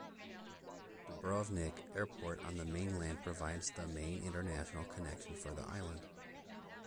Dubrovnik Airport on the mainland provides the main international connection for the island.